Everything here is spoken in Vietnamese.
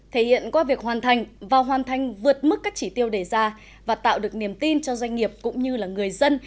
thể hiện qua việc hoàn thành và hoàn thành vượt mức các chỉ tiêu đề ra và tạo được niềm tin cho doanh nghiệp cũng như là người dân